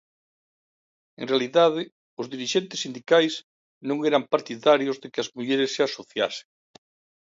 En realidade, os dirixentes sindicais non eran partidarios de que as mulleres se asociasen.